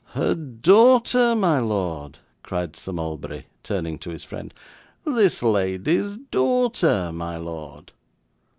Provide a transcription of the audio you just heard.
'Her daughter, my lord!' cried Sir Mulberry, turning to his friend. 'This lady's daughter, my lord.